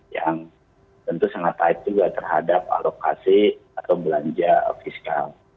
yang tentu sangat baik juga terhadap alokasi atau belanja fiskal